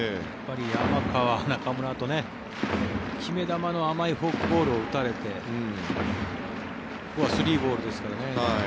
山川、中村と、決め球の甘いフォークボールを打たれてここは３ボールですからね。